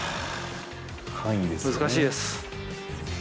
難しいです。